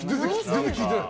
全然聞いてない。